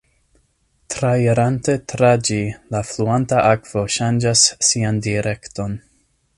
Trairinte tra ĝi, la fluanta akvo ŝanĝas sian direkton.